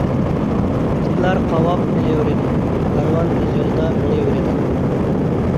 ئىتلار قاۋاپ قېلىۋېرىدۇ، كارۋان ئۆز يولىدا مېڭىۋېرىدۇ.